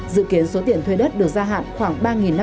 dự kiến số tiền thuê đất được gia hạn khoảng ba năm trăm linh